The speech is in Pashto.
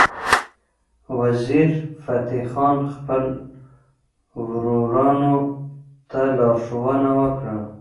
وزیرفتح خان خپل ورورانو ته لارښوونه وکړه.